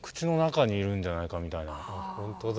本当だ。